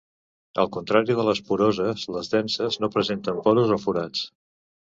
Al contrari de les poroses, les denses no presenten porus o forats.